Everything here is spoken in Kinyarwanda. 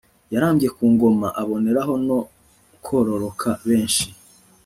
yarambye ku ngoma aboneraho no kororoka benshi